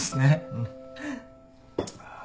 うん。